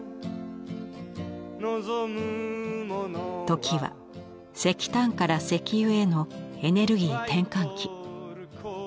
時は石炭から石油へのエネルギー転換期。